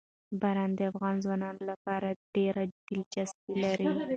باران د افغان ځوانانو لپاره ډېره دلچسپي لري.